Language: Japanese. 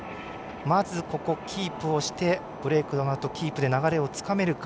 まず、ここキープをしてブレークのあとキープで流れをつかめるか。